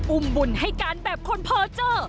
อุมบุญให้การแบบคนเพาะเจ้อ